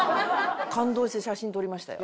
感動して写真撮りましたよ。